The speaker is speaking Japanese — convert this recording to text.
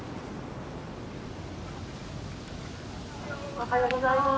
おはようございます。